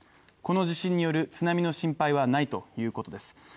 この地震による津波の心配はないということです。